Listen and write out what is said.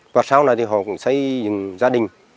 và sau này họ cũng xây gia đình